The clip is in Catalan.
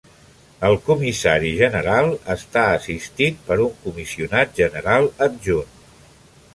El Comissari General està assistit per un Comissionat General Adjunt.